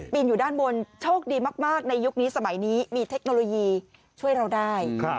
อยู่ด้านบนโชคดีมากในยุคนี้สมัยนี้มีเทคโนโลยีช่วยเราได้